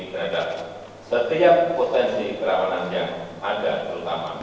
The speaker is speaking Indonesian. dalam penegakan hukum